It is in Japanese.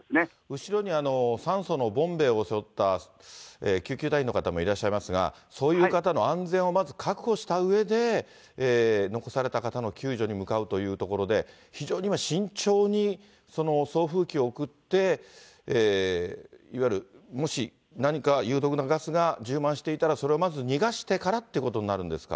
後ろに酸素のボンベを背負った救急隊員の方もいらっしゃいますが、そういう方の安全をまず確保したうえで、残された方の救助に向かうというところで、非常に慎重に、その送風機を送って、いわゆる、もし何か有毒なガスが充満していたら、それをまず逃がしてからってことになるんですか。